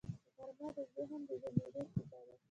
غرمه د ذهن د بندېدو شیبه ده